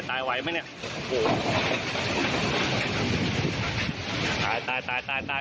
ตายไหวไหมเนี่ย